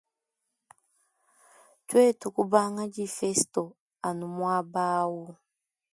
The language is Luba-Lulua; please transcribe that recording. Twetu kubanga difesto anu mwaba awu.